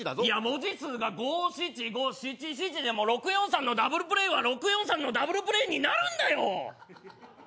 いや文字数が五・七・五・七・七でも６４３のダブルプレーは６４３のダブルプレーになるんだよ！